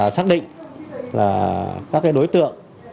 xác định các đối tượng